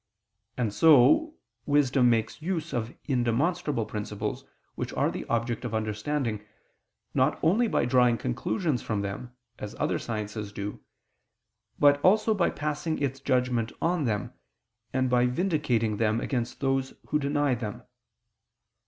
And so wisdom makes use of indemonstrable principles which are the object of understanding, not only by drawing conclusions from them, as other sciences do, but also by passing its judgment on them, and by vindicating them against those who deny them.